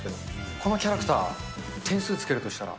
このキャラクター、点数つけるとしたら。